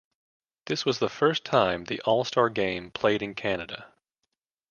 This was the first time the All-Star game played in Canada.